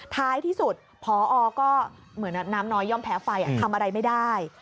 ท้ายที่สุดพอก็เหมือนน้ำน้อยย่อมแพ้ไฟทำอะไรไม่ได้